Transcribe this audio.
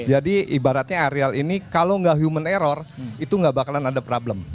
jadi ibaratnya aerial ini kalau gak human error itu gak bakalan ada problem